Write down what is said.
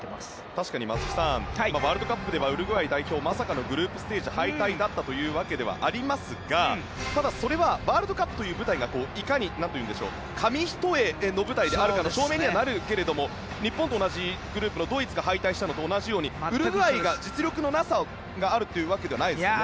確かに松木さんワールドカップではウルグアイ代表はまさかのグループステージ敗退ではありましたがただ、それはワールドカップという舞台がいかに紙一重の舞台であるかの証明にはなるけれど日本と同じグループのドイツが敗退したのと同じくウルグアイに実力がないというわけではありませんよね。